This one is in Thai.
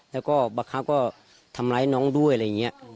แล้วก็บางครั้งก็ทำร้ายน้องด้วยอะไรอย่างนี้